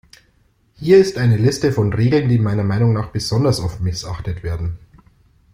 Hier ist eine Liste von Regeln, die meiner Meinung nach besonders oft missachtet werden.